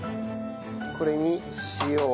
これに塩を。